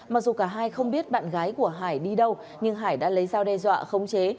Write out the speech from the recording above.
mặc dù cả hai không biết bạn gái của hải đi đâu nhưng hải đã lấy dao đe dọa khống chế